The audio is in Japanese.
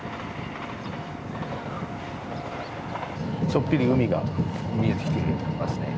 ちょっぴり海が見えてきてますね。